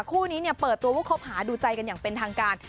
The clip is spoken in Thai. คู่นี้เปิดตัวว่าคบหาดูใจกันอย่างเป็นทางการ